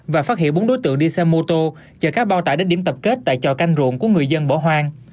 và phát hiện bốn đối tượng đi xe mô tô chờ các bao tải đến điểm tập kết tại trò canh rộn của người dân bỏ hoang